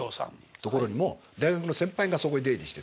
ところにも大学の先輩がそこへ出入りしてて。